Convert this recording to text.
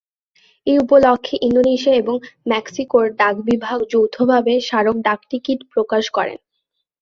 এই উপলক্ষ্যে ইন্দোনেশিয়া এবং মেক্সিকোর ডাক বিভাগ যৌথভাবে স্মারক ডাকটিকিট প্রকাশ করে।